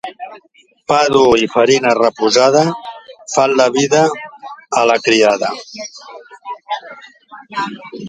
Pa dur i farina reposada fan la vida a la criada.